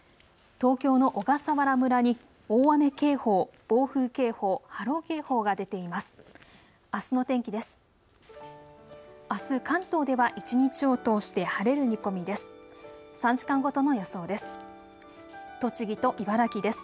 東京の小笠原村に大雨警報、暴風警報、波浪警報が出ています。